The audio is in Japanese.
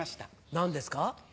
何ですか？